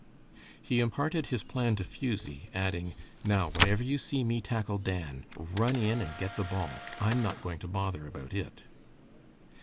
He imparted his plan to Fusie, adding, "Now, whenever you see me tackle Dan, run in and get the ball. I'm not going to bother about it."